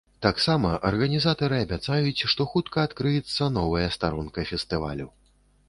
Таксама арганізатары абяцаюць, што хутка адкрыецца новая старонка фестывалю.